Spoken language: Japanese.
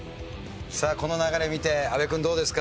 さあこの流れ見て阿部君どうですか？